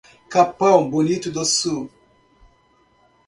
Capão Bonito do Sul